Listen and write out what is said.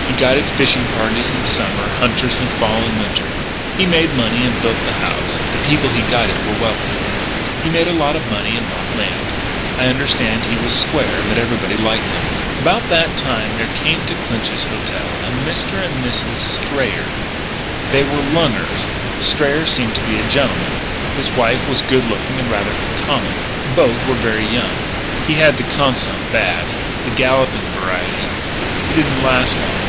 He guided fishing parties in summer, hunters in fall and winter. He made money and built the house. The people he guided were wealthy. He made a lot of money and bought land. I understand he was square and that everybody liked him. "About that time there came to Clinch's 'hotel' a Mr. and Mrs. Strayer. They were 'lungers.' Strayer seemed to be a gentleman; his wife was good looking and rather common. Both were very young. He had the consump bad the galloping variety. He didn't last long.